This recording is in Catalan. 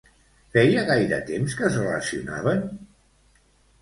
Feia gaire temps que es relacionaven?